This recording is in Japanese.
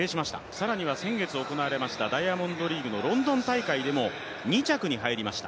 さらには先月行われましたダイヤモンドリーグのロンドン大会でも２着に入りました。